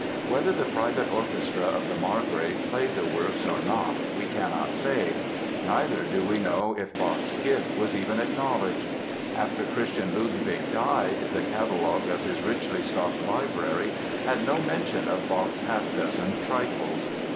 Whether the private orchestra of the Margrave played the works or not we cannot say. Neither do we know if Bach's gift was even acknowledged. After Christian Ludwig died, the catalogue of his richly stocked library had no mention of Bach's half dozen "trifles."